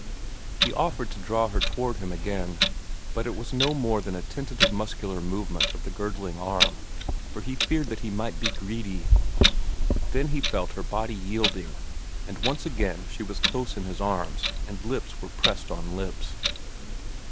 He offered to draw her toward him again, but it was no more than a tentative muscular movement of the girdling arm, for he feared that he might be greedy. Then he felt her body yielding, and once again she was close in his arms and lips were pressed on lips.